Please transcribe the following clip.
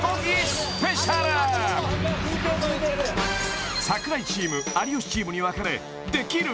ＳＰ櫻井チーム有吉チームに分かれできる？